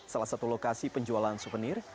salah satu lokasi penjualan souvenir